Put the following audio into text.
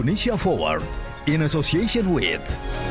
selamat pagi mbak